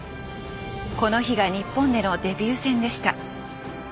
この日が日本でのデビュー戦でした。